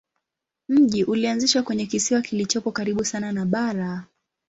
Mji ulianzishwa kwenye kisiwa kilichopo karibu sana na bara.